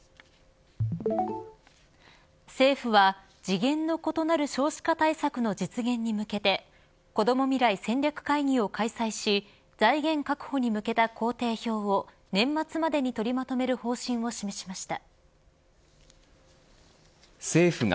政府は次元の異なる少子化対策の実現に向けてこども未来戦略会議を開催し財源確保に向けた工程表を年末までに取りまとめる方針を示しました。